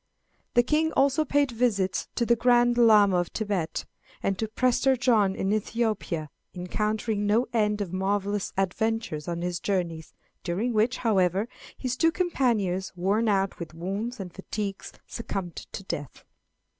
The King also paid visits to the Grand Llama of Thibet, and to Prester John in Ethiopia, encountering no end of marvellous adventures on his journeys, during which, however, his two companions, worn out with wounds and fatigues, succumbed to death.